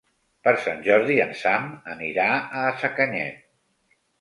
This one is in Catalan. Per Sant Jordi en Sam anirà a Sacanyet.